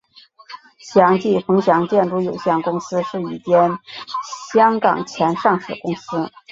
祥记冯祥建筑有限公司是一间香港前上市公司。